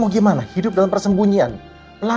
gimana dia sekolah